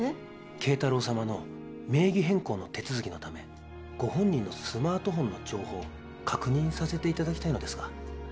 啓太郎様の名義変更の手続きのためご本人のスマートフォンの情報確認させていただきたいのですが。